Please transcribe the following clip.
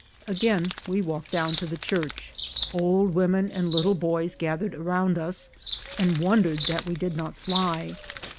Again we walked down to the church ; old women and little boys gathered around us, and wonder ed that we did not fly.